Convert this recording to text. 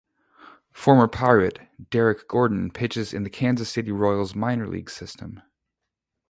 Former Pirate Derek Gordon pitches in the Kansas City Royals minor-league system.